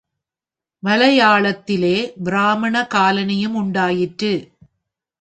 மலையாளத்திலே, பிராமண காலனி யும் உண்டாயிற்று.